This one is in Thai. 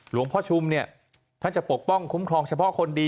ชุมเนี่ยท่านจะปกป้องคุ้มครองเฉพาะคนดี